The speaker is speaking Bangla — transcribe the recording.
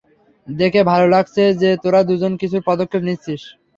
দেখে ভালো লাগছে যে তোরা দুজন কিছুর পদক্ষেপ নিচ্ছিস।